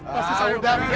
ah sudah sudah kang